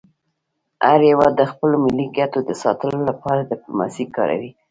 هر هېواد د خپلو ملي ګټو د ساتلو لپاره ډيپلوماسي کاروي.